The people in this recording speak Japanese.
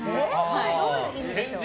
これ、どういう意味でしょう？